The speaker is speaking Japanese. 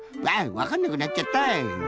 わかんなくなっちゃったい！